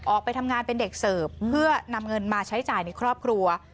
ออกไปทำงานเป็นเด็กเสิร์ฟเพื่อนำเงินมาใช้จ่ายในครอบครัว